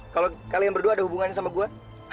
kalau kalian berdua ada hubungannya sama gue